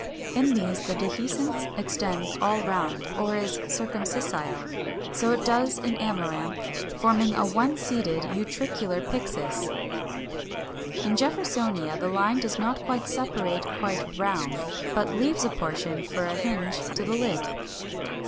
In these the dehiscence extends all round, or is circumscissile. So it does in Amaranth (Fig. 387), forming a one seeded utricular pyxis. In Jeffersonia, the line does not separate quite round, but leaves a portion for a hinge to the lid.